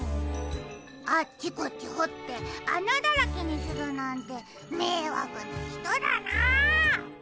あっちこっちほってあなだらけにするなんてめいわくなひとだなあ。